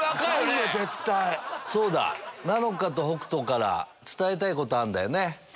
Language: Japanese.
そうだ菜乃華と北斗から伝えたいことあるんだよね。